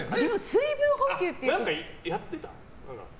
水分補給ってよく。